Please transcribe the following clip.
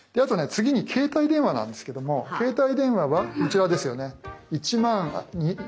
次に携帯電話なんですけども携帯電話はこちらですよね１万２９６円。